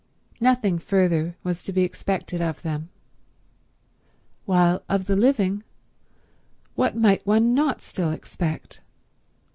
Nothing further was to be expected of them; while of the living, what might one not still expect?